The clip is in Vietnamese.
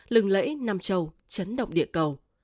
lừng lẫy nam châu chấn động địa cầu